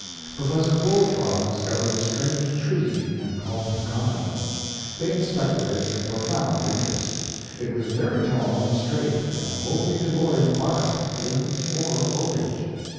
Professor Bull Frog discovered a strange tree, and called his comrades. They inspected it with profound interest. It was very tall and straight, and wholly devoid of bark, limbs, or foliage.